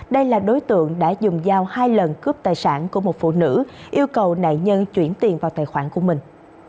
đây là đối tượng đã dùng dao hai lần cướp tài sản của một phụ nữ yêu cầu nạn nhân chuyển tiền vào tài khoản của mình